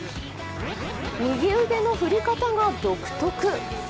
右腕の振り方が独特。